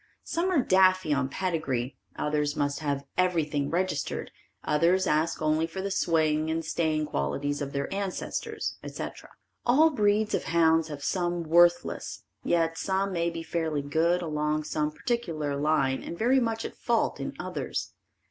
Some are daffy on pedigree, others must have everything registered, others ask only for the swing and staying qualities of their ancestors, etc. All breeds of hounds have some worthless, yet some may be fairly good along some particular line and very much at fault in others.